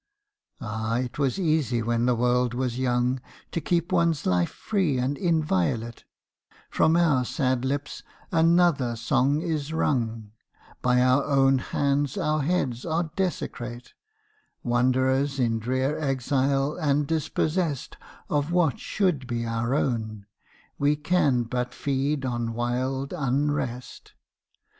Ah! it was easy when the world was young To keep one's life free and inviolate, From our sad lips another song is rung, By our own hands our heads are desecrate, Wanderers in drear exile, and dispossessed Of what should be our own, we can but feed on wild unrest.